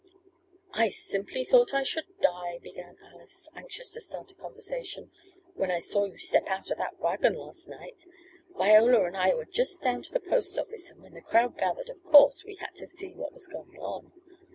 "I simply thought I should die," began Alice, anxious to start conversation. "When I saw you step out of that wagon last night. Viola and I were just down to the post office and when the crowd gathered of course, we had to see what was going on.